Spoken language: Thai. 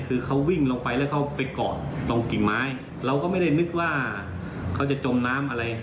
คือเขาวิ่งลงไปแล้วเขาไปเกาะตรงกิ่งไม้เราก็ไม่ได้นึกว่าเขาจะจมน้ำอะไร